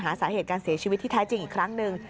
สาเหตุการเสียชีวิตที่แท้จริงอีกครั้งหนึ่ง